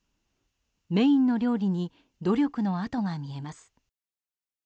メインの料理に努力の跡が見えます。